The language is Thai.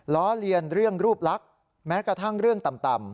เลียนเรื่องรูปลักษณ์แม้กระทั่งเรื่องต่ำ